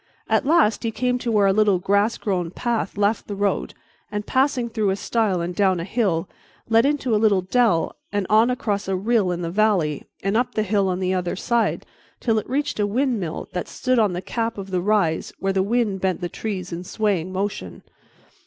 At last he came to where a little grass grown path left the road and, passing through a stile and down a hill, led into a little dell and on across a rill in the valley and up the hill on the other side, till it reached a windmill that stood on the cap of the rise where the wind bent the trees in swaying motion.